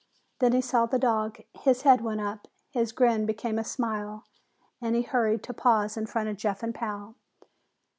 Then he saw the dog. His head went up, his grin became a smile, and he hurried to pause in front of Jeff and Pal.